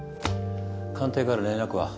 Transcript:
官邸から連絡は？